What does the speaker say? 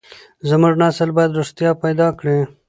زموږ نسل بايد رښتيا پيدا کړي.